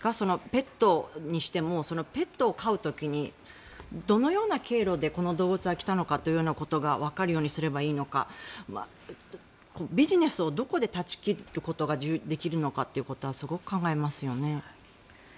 ペットにしてもペットを飼う時にどのような経路でこの動物は来たのかということがわかるようにすればいいのかビジネスをどこで断ち切ることができるのかっていうことはすごく考えますよね。